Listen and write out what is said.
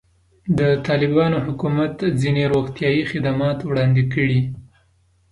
د طالبانو حکومت ځینې روغتیایي خدمات وړاندې کړي.